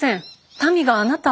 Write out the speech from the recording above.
民があなたを。